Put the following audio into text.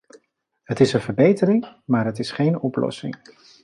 Het is een verbetering, maar het is geen oplossing.